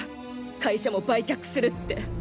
会社も売却するって。